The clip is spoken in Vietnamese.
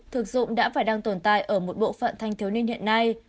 thực dụng đã phải đang tồn tại ở một bộ phận thanh thiếu niên hiện nay